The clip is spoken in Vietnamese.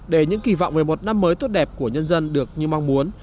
để những kỳ vọng về một năm mới tốt đẹp của nhân dân được như mong muốn